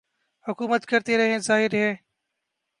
حکومت کرتے رہے ظاہر ہے